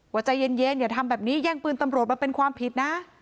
ใจเย็นอย่าทำแบบนี้แย่งปืนตำรวจมันเป็นความผิดนะ